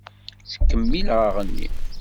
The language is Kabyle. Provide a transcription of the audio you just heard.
Ttkemmileɣ aɣenni.